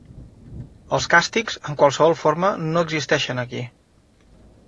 Els càstigs en qualsevol forma no existeixen aquí.